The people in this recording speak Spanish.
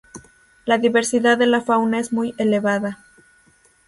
La diversidad de la fauna es muy elevada.